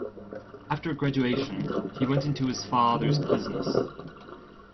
After graduation, he went into his father's business.